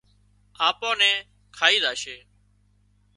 آپان نين کائي زاشي